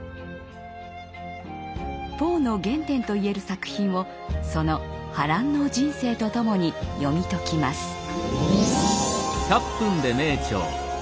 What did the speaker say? ポーの原点といえる作品をその波乱の人生とともに読み解きます。